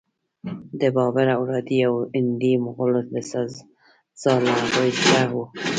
د بابر اولادې او هندي مغولو دا سزا له هغوی زده وه.